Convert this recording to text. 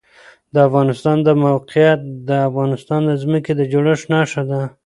د افغانستان د موقعیت د افغانستان د ځمکې د جوړښت نښه ده.